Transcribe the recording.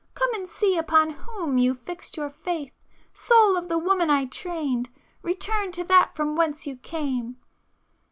Come and see upon WHOM you fixed your faith! Soul of the woman I trained, return to that from whence you came!